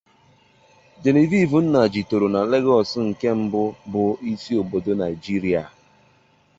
Genevieve Nnaji tòrò na Lagos nke na mbu bu isi obodo Naijiria.